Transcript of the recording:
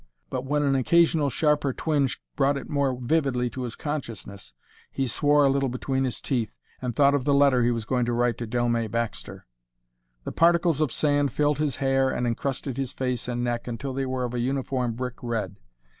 But when an occasional sharper twinge brought it more vividly to his consciousness he swore a little between his teeth, and thought of the letter he was going to write to Dellmey Baxter. The particles of sand filled his hair and encrusted his face and neck until they were of a uniform brick red.